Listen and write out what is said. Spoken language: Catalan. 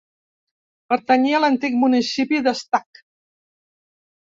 Pertanyia a l'antic municipi d'Estac.